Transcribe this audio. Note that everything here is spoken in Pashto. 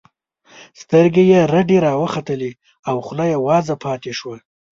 سترګې یې رډې راوختلې او خوله یې وازه پاتې شوه